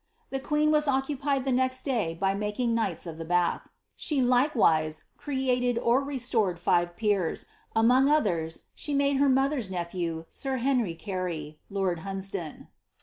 The queen was occupied the next day by making knights of the Bath ; she, likewise, created or restored fjfe peers ; among others she made her mother's nephew, sir Henry Carfv, lord Hunsdon.